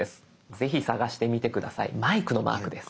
ぜひ探してみて下さいマイクのマークです。